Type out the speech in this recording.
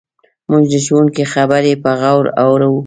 موږ د ښوونکي خبرې په غور اورو.